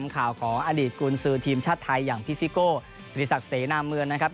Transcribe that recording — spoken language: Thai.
ข่าวของอดีตกุญสือทีมชาติไทยอย่างพี่ซิโก้กิริสักเสนาเมืองนะครับ